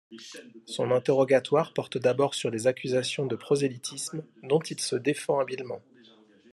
Son interrogatoire porte d'abord sur des accusations de prosélytisme, dont il se défend habilement.